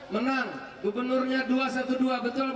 menang gubernurnya dua satu dua betul apa betul